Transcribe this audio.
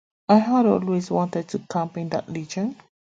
I had always wanted to camp in that region.